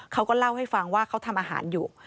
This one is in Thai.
เขาก็เล่าให้ฟังว่าเขาทำอาหารอยู่